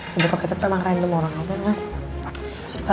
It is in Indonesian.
si botol kecap emang random orang orang kan